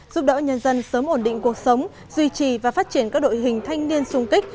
giúp đỡ nhân dân sớm ổn định cuộc sống duy trì và phát triển các đội hình thanh niên sung kích